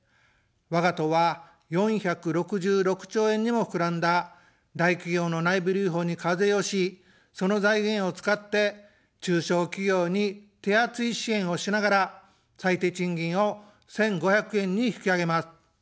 わが党は４６６兆円にもふくらんだ大企業の内部留保に課税をし、その財源を使って、中小企業に手厚い支援をしながら、最低賃金を１５００円に引き上げます。